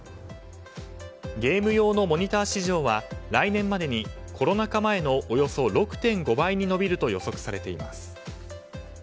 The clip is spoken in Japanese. ゲーム用のモニター市場は来年までにコロナ禍前のおよそ６．５倍に伸びると予測されています。